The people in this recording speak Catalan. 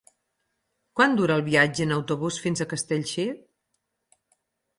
Quant dura el viatge en autobús fins a Castellcir?